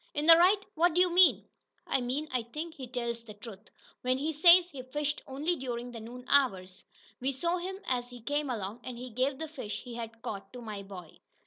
"In th' right? What do you mean?" "I mean I think he tells the truth, when he says he fished only during the noon hour. We saw him as he came along, and he gave the fish he had caught to my boy."